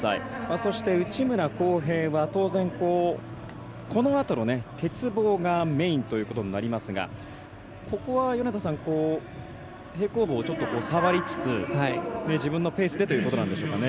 そして、内村航平は当然、このあとの鉄棒がメインということになりますがここは平行棒をちょっと触りつつ自分のペースでということなんでしょうか。